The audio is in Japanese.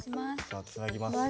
さあつなぎます。